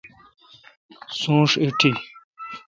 سونش ایٹی۔